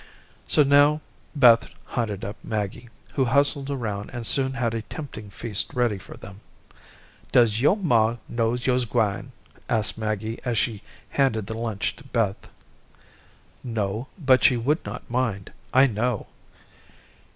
So now Beth hunted up Maggie, who hustled around and soon had a tempting feast ready for them. "Does yo' maw know yo's gwine?" asked Maggie, as she handed the lunch to Beth. "No, but she would not mind, I know."